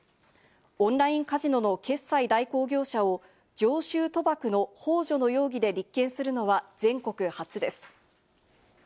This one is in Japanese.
オンラインカジノの決済代行業者を常習賭博のほう助の容疑で立件するのは全国初です。